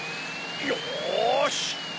よし！